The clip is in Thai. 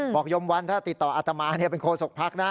บอกโยมวันถ้าติดต่ออัตมาเป็นโครสกพรรคนะ